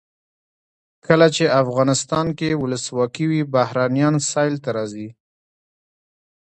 کله چې افغانستان کې ولسواکي وي بهرنیان سیل ته راځي.